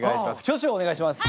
挙手をお願いします。